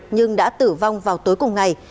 nhưng đã tử vong vào tối cùng ngày